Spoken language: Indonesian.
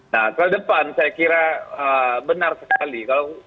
nah ke depan saya kira benar sekali